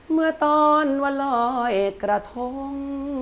เมือตอนวะรอยกระทง